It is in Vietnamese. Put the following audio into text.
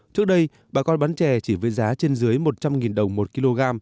trước đây bà con bán chè chỉ với giá trên dưới một trăm linh đồng một kg